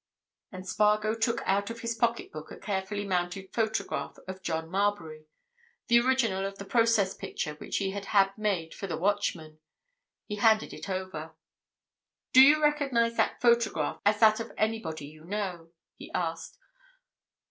And Spargo took out of his pocket book a carefully mounted photograph of John Marbury—the original of the process picture which he had had made for the Watchman. He handed it over. "Do you recognize that photograph as that of anybody you know?" he asked.